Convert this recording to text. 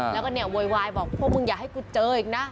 แล้วก็เนี่ยโวยวายบอกพวกมึงอย่าให้กูเจออีกนะ